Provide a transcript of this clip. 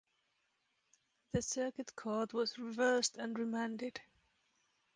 The Circuit Court was reversed and remanded.